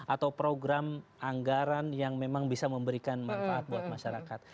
atau program anggaran yang memang bisa memberikan manfaat buat masyarakat